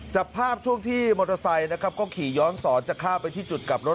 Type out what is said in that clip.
จับภาพช่วงที่มอเตอร์ไซค์นะครับก็ขี่ย้อนสอนจะข้ามไปที่จุดกลับรถ